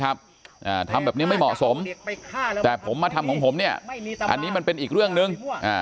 ทำแบบนี้ไม่เหมาะสมแต่ผมมาทำของผมเนี่ยอันนี้มันเป็นอีกเรื่องหนึ่ง